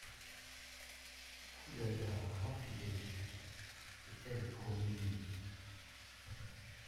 Khoudadat Rafibeyli était le premier ministre.